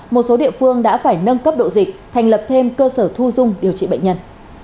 một số địa phương đã phải nâng cấp độ dịch thành lập thêm cơ sở thu dung điều trị bệnh nhân